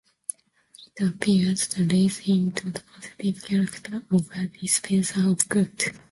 It appears to raise him to the positive character of a dispenser of good.